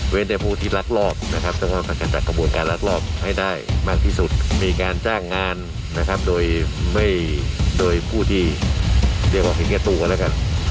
แต่ผู้ที่ลักลอบนะครับซึ่งก็เป็นการจัดกระบวนการลักลอบให้ได้มากที่สุดมีการจ้างงานนะครับโดยไม่โดยผู้ที่เรียกว่าเห็นแก่ตัวกันแล้วกัน